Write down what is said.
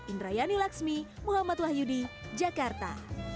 indrayani laksmi muhammad wahyudi jakarta